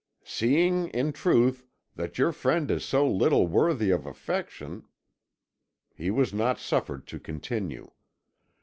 "Seeing, in truth, that your friend is so little worthy of affection ..." He was not suffered to continue.